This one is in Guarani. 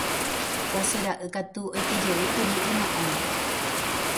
Guasu ra'y katu oikejeýkuri yno'õme.